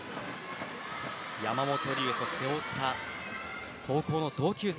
山本龍、そして大塚高校の同級生。